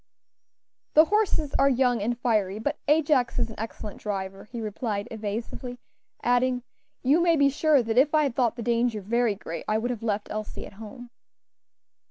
"The horses are young and fiery, but Ajax is an excellent driver," he replied, evasively; adding, "You may be sure that if I had thought the danger very great I would have left Elsie at home."